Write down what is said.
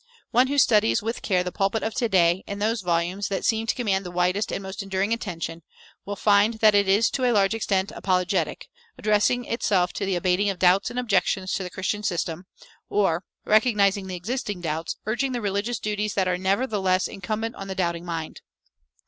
One who studies with care the pulpit of to day, in those volumes that seem to command the widest and most enduring attention, will find that it is to a large extent apologetic, addressing itself to the abating of doubts and objections to the Christian system, or, recognizing the existing doubts, urging the religious duties that are nevertheless incumbent on the doubting mind.